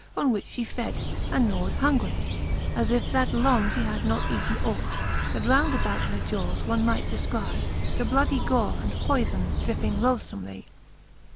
On which (he fed, and gnawed hungrily, As if that long fhe had not eaten ought; That round about her jawes one might defcry The bloudie gore and poyfon dropping lothlbmely.